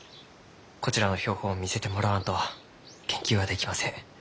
こちらの標本を見せてもらわんと研究はできません。